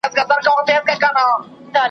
ما مي له پښتو سره پېیلې د نصیب ژبه ,